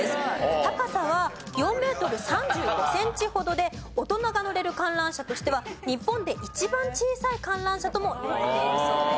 高さは４メートル３５センチほどで大人が乗れる観覧車としては日本で一番小さい観覧車ともいわれているそうです。